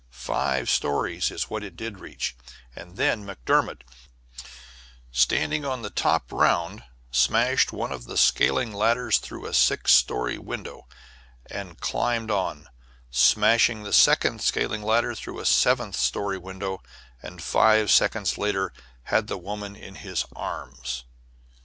Five stories is what it did reach, and then McDermott, standing on the top round, smashed one of the scaling ladders through a sixth story window, and climbed on, smashed the second scaling ladder through a seventh story window, and five seconds later had the woman in his arms. [Illustration: USE OF THE SCALING LADDERS.